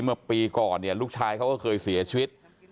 เมื่อปีก่อนเนี่ยลูกชายเขาก็เคยเสียชีวิต